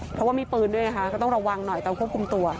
เพราะว่ามีปืนด้วยนะคะก็ต้องระวังหน่อยตอนควบคุมตัว